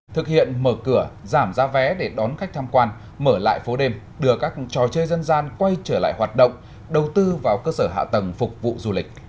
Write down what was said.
thực hiện mở cửa giảm ra vé để đón khách tham quan mở lại phố đêm đưa các trò chơi dân gian quay trở lại hoạt động đầu tư vào cơ sở hạ tầng phục vụ du lịch